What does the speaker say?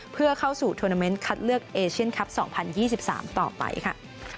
เพื่อเข้าสู่โทรนาเมนต์คัดเลือกเอเชียนคลับ๒๐๒๓ต่อไปค่ะ